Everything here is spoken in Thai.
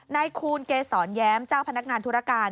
คูณเกษรแย้มเจ้าพนักงานธุรการ